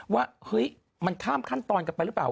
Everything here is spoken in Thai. ว่าเฮ้ยมันข้ามขั้นตอนกันไปหรือเปล่า